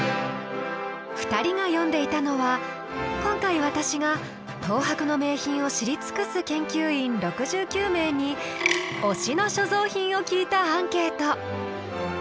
２人が読んでいたのは今回私が東博の名品を知り尽くす研究員６９名に「推しの所蔵品」を聞いたアンケート。